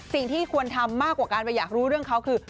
สิ่งที่ควรทำมากกว่าการไปอยากรู้เรื่องเขาคือ